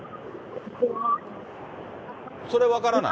それは分からない？